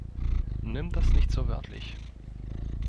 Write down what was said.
Nimm das nicht so wörtlich.